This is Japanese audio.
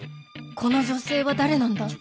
この女性は誰なんだ